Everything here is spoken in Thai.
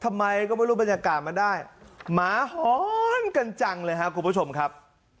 ทำไมก็ไม่รู้บรรยากาศมันได้หมาหอนกันจังเลยครับคุณผู้ชมครับ